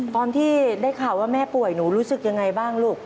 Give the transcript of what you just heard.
ตอนที่ได้ข่าวว่าแม่ป่วยหนูรู้สึกยังไงบ้างลูก